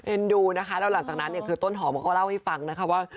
ดูนะคะแล้วหลังจากนั้นเนี่ยคือต้นหอมเขาก็เล่าให้ฟังนะคะว่า